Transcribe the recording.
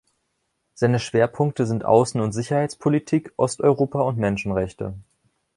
Seine Schwerpunkte sind Außen- und Sicherheitspolitik, Osteuropa und Menschenrechte.